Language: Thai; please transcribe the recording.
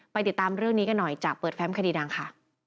ติดตามเรื่องนี้กันหน่อยจากเปิดแฟมคดีดังค่ะ